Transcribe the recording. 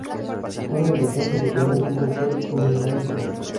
Juega de defensa y su primer equipo fue Fluminense.